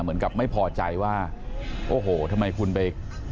ไม่พอใจว่าโอ้โหทำไมคุณไป